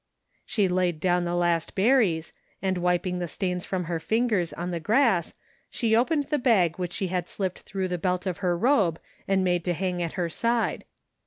She laid down the last berries, and wiping the stains from her fingers on the grass she opened the bag which she had slipped through the belt of her robe and made to hang at her side.